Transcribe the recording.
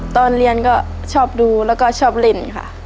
ตอนเรียนก็ชอบดูแล้วก็ชอบเล่นค่ะ